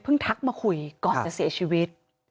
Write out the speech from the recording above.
ทักมาคุยก่อนจะเสียชีวิต